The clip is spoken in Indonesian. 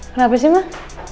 kenapa sih mbak